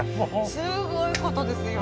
すごいことですよ。